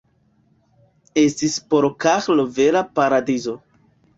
Estis por Karlo vera paradizo.